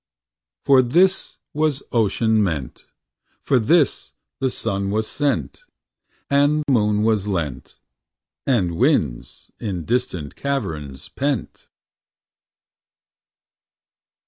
For this was ocean meant, For this the sun was sent, And moon was lent, And winds in distant caverns pent.